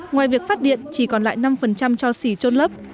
ngoài việc phát điện chỉ còn lại năm cho xỉ trôn lấp